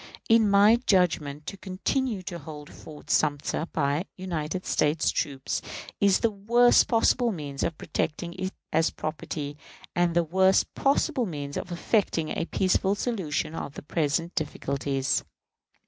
In my judgment, to continue to hold Fort Sumter, by United States troops, is the worst possible means of protecting it as property, and the worst possible means for effecting a peaceful solution of present difficulties.